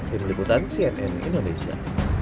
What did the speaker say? di meliputan cnn indonesia